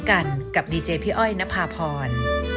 กันกับดีเจพี่อ้อยนภาพร